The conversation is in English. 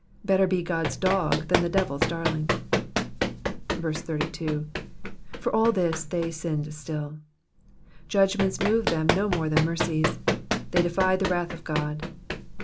Better be God's dog than the devil's darling. 33. ^^For all this th y sinned. hHIV^ Judgments moved them no more than mercies. They defied the wrath of God.